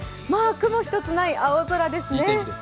雲一つない青空ですね。